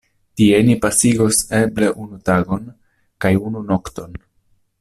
Tie ni pasigos eble unu tagon kaj unu nokton.